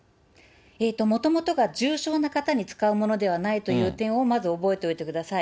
もともとが重症な方に使うものではないという点をまず覚えておいてください。